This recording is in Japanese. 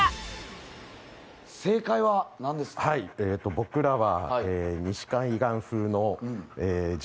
僕らは。